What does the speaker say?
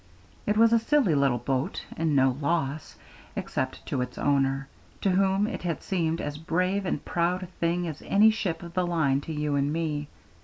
It was a silly little boat, and no loss, except to its owner, to whom it had seemed as brave and proud a thing as any ship of the line to you and me.